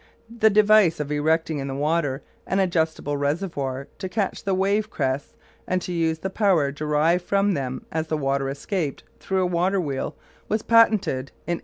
The device of erecting in the water an adjustable reservoir to catch the wave crests and to use the power derived from them as the water escaped through a water wheel was patented in 1869.